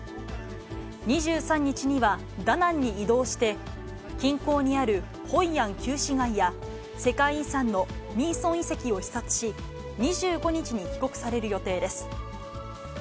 ２３日にはダナンに移動して、近郊にあるホイアン旧市街や、世界遺産のミーソン遺跡を視察し、２５日に帰国される予定です。